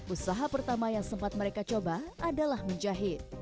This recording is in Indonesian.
usaha pertama yang sempat mereka coba adalah menjahit